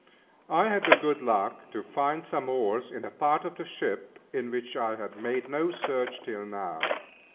I had the good luck to find some oars in a part of the ship, in which I had made no search till now.